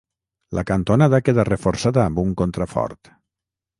La cantonada queda reforçada amb un contrafort.